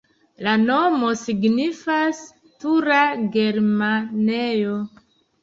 La nomo signifas: tura-germanejo.